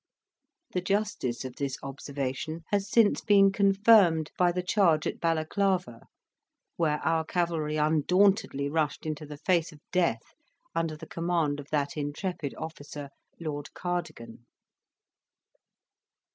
The justice of this observation has since been confirmed by the charge at Balaklava, where our cavalry undauntedly rushed into the face of death under the command of that intrepid officer Lord Cardigan.